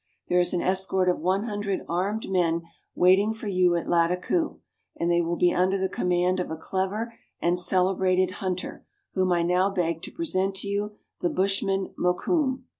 There is an escort of loo armed men waiting for you at Lattakoo, and they will be under the command of a clever and cele brated hunter, whom I now beg to present to you, the bushman Mokoum."